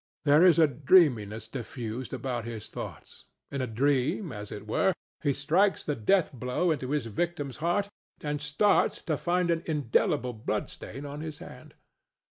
There is a dreaminess diffused about his thoughts; in a dream, as it were, he strikes the death blow into his victim's heart and starts to find an indelible blood stain on his hand.